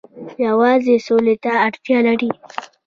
یوازې سولې ته اړتیا ده.